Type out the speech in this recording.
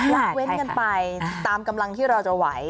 ละเว้นกันไปตามกำลังที่เราจะไหว